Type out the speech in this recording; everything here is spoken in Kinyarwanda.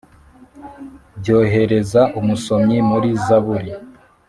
byohereza umusomyi muri zaburi